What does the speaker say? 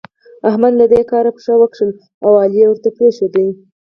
احمد له دې کاره پښه وکښه او علي يې ورته پرېښود.